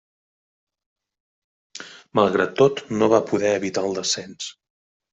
Malgrat tot, no va poder evitar el descens.